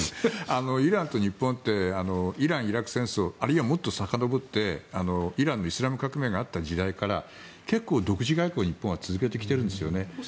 イランと日本ってイラン・イラク戦争あるいはもっとさかのぼってイランのイスラム革命があった時代から結構、独自外交を日本は続けてきているんですね。